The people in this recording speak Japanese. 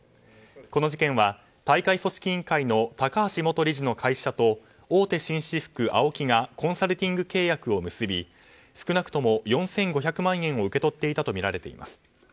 この事件は、大会組織委員会の高橋元理事の会社と大手紳士服ＡＯＫＩがコンサルティング契約を結び少なくとも４５００万円を受け取っていたとみられています。